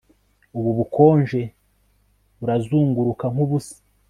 ubu bukonje urazunguruka nkubusa